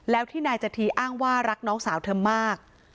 แล้วที่นายจธีอ้างว่ารักน้องสาวเธอมาก